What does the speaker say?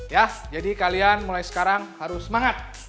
ya jadi kalian mulai sekarang harus semangat